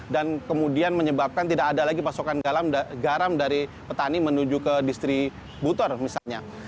dan kemudian menyebabkan tidak ada lagi pasokan garam dari petani menuju ke distributor misalnya